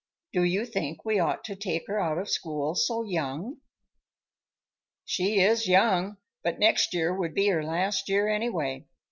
"Do you think we ought to take her out of school so young?" "She is young, but next year would be her last year anyway.